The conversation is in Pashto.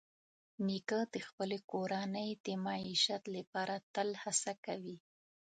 نیکه د خپلې کورنۍ د معیشت لپاره تل هڅه کوي.